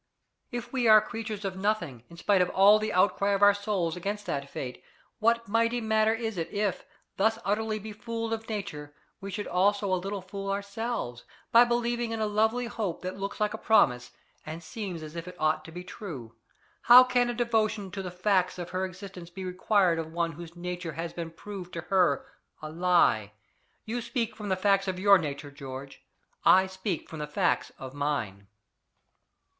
If we are creatures of nothing, in spite of all the outcry of our souls against that fate, what mighty matter is it if, thus utterly befooled of Nature, we should also a little fool ourselves, by believing in a lovely hope that looks like a promise, and seems as if it ought to be true? How can a devotion to the facts of her existence be required of one whose nature has been proved to her a lie? You speak from the facts of your nature, George; I speak from the facts of mine."